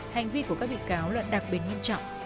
hành vi của các bị cáo là đặc biệt nghiêm trọng